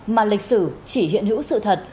mà lịch sử chỉ hiện hữu sự thật